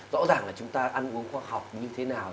rõ ràng là chúng ta ăn uống khoa học như thế nào